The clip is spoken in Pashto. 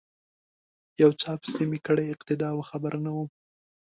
یو چا پسې می کړې اقتدا وه خبر نه وم